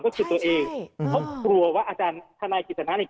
ก็คือตัวเองเขากลัวว่าอาจารย์ทนายกิจสนาเนี่ย